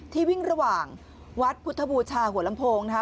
ที่วิ่งระหว่างวัดพุทธบูชาหัวลำโพงนะคะ